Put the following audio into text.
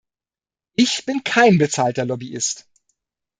Ich bin kein bezahlter Lobbyist.